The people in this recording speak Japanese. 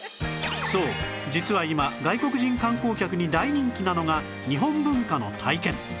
そう実は今外国人観光客に大人気なのが日本文化の体験